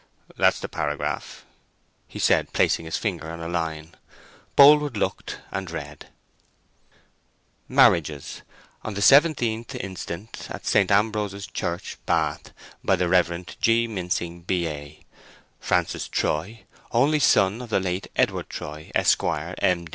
"That's the paragraph," he said, placing his finger on a line. Boldwood looked and read— MARRIAGES. On the 17th inst., at St. Ambrose's Church, Bath, by the Rev. G. Mincing, B.A., Francis Troy, only son of the late Edward Troy, Esq., M.